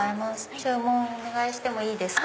注文お願いしてもいいですか？